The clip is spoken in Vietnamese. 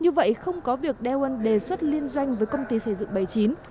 như vậy không có việc daewon đề xuất liên doanh với công ty xây dựng bảy mươi chín